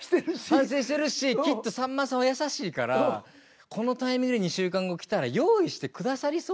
反省してるしきっとさんまさんは優しいからこのタイミングで２週間後来たら用意してくださりそうだから。